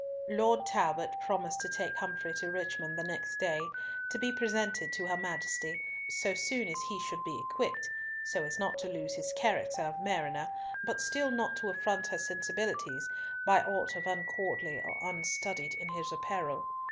Lord Talbot promised to take Humfrey to Richmond the next day, to be presented to her Majesty, so soon as he should be equipped, so as not to lose his character of mariner, but still not to affront her sensibilities by aught of uncourtly or unstudied in his apparel.